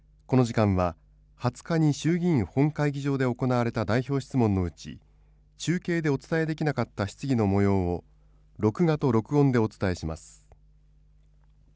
この時間は、２０日に衆議院本会議場で行われた代表質問のうち、中継でお伝えできなかった質疑のもようを、録画と録音でお伝えします。